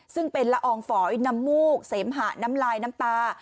ซึ่งเป็นละอองฝอยน้ำมูกเสมหะน้ำลายน้ำตา